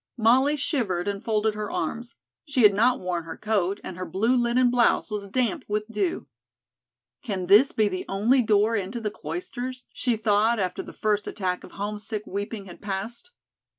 Molly shivered and folded her arms. She had not worn her coat and her blue linen blouse was damp with dew. "Can this be the only door into the Cloisters?" she thought after the first attack of homesick weeping had passed.